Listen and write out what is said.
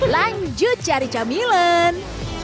lanjut cari camilan